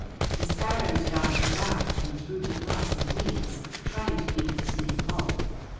The sparrows darted about and through the grass and weeds, trying to beat the snake off.